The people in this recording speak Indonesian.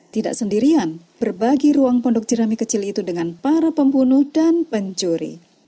tidak sendirian berbagi ruang pondok jerami kecil itu dengan para pembunuh dan pencuri